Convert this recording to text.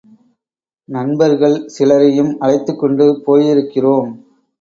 நண்பர்கள் சிலரையும் அழைத்துக்கொண்டு போயிருக்கிறோம்.